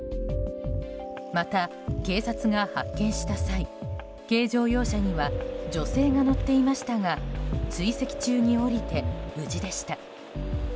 また、警察が発見した際軽乗用車には女性が乗っていましたが追跡中に降りて無事でした。